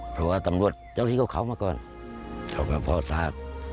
เพราะว่าตำรวจเจ้าที่เขามาก่อนเขาก็พอทราบ